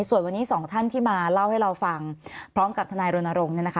ส่วนวันนี้สองท่านที่มาเล่าให้เราฟังพร้อมกับทนายรณรงค์เนี่ยนะคะ